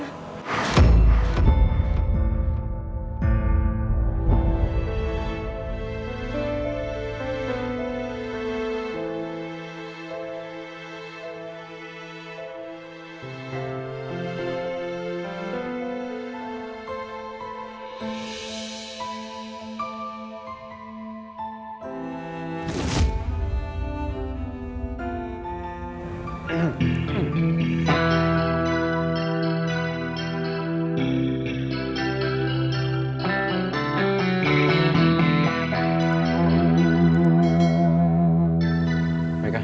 tante ayu lumpuh sekarang